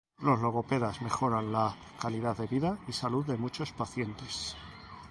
Los logopedas mejoran la calidad de vida y salud de muchos pacientes .